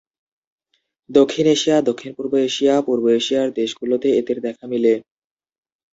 দক্ষিণ এশিয়া, দক্ষিণ পূর্ব এশিয়া, পূর্ব এশিয়ার দেশ গুলোতে এদের দেখা মিলে।